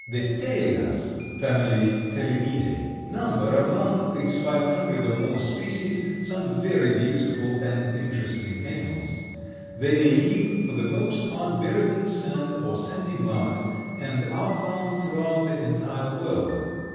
The Tellinas (family Tellinidae) number among its five hundred or more species some very beautiful and interesting animals. They live for the most part buried in sand or sandy mud and are found throughout the entire world.